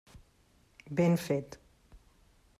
Ben fet.